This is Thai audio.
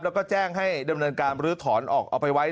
แล้วก็แจ้งให้ดำเนินการบรื้อถอนออกเอาไปไว้